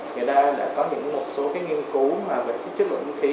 người ta đã có những nghiên cứu về chất lượng không khí